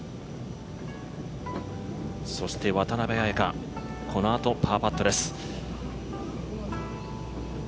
そして渡邉彩香、このあとパーパットです。